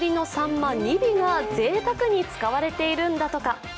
ま２尾がぜいたくに使われているんだとか。